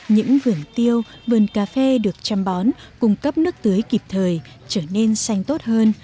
những vườn tiêu vườn cà phê được chăm bón cung cấp nước tưới kịp thời trở nên xanh tốt hơn